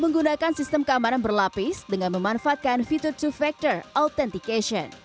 menggunakan sistem keamanan berlapis dengan memanfaatkan fitur to factor authentication